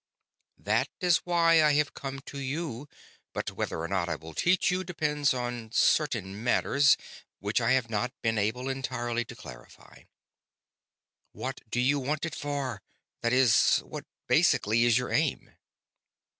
"That is why I have come to you, but whether or not I will teach you depends on certain matters which I have not been able entirely to clarify. What do you want it for that is, what, basically, is your aim?"